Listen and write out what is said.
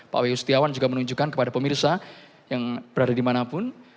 pak wayu setiawan juga menunjukkan kepada pemirsa yang berada dimanapun